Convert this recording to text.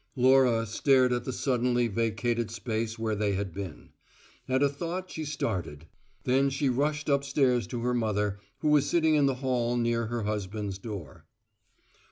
Laura stared at the suddenly vacated space where they had been. At a thought she started. Then she rushed upstairs to her mother, who was sitting in the hall near her husband's door.